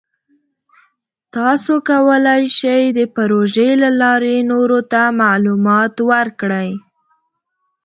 تاسو کولی شئ د پروژې له لارې نورو ته معلومات ورکړئ.